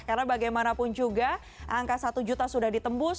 karena bagaimanapun juga angka satu juta sudah ditembus